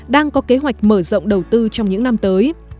đang có kế hoạch mở rộng đầu tư trong những năm tới